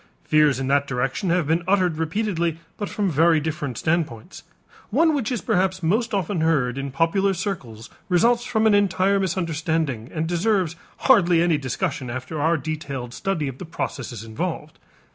Fears in that direction have been uttered repeatedly, but from very different standpoints. One which is perhaps most often heard in popular circles results from an entire misunderstanding and deserves hardly any discussion after our detailed study of the processes involved.